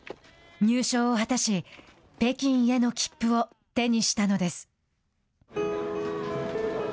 入賞を果たし北京への切符を手にしたのです。